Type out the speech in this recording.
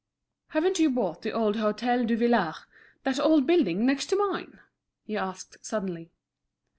"Haven't you bought the old Hôtel Duvillard, that old building next to mine?" he asked suddenly.